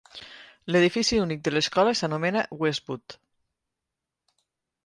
L'edifici únic de l'escola s'anomena Westwood.